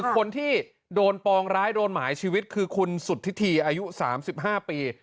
คนที่โดนปองร้ายโดนหมายชีวิตคือคุณสุธิธีอายุ๓๕ปี